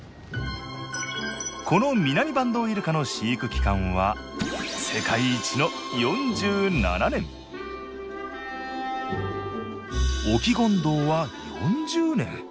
このミナミバンドウイルカの飼育期間は世界一の４７年オキゴンドウは４０年。